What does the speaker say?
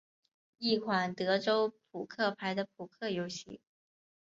一款德州扑克版的扑克游戏。